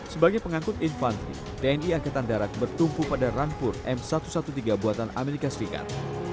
sebagai pengangkut infanteri tni angkatan darat bertumpu pada rampur m satu ratus tiga belas buatan amerika serikat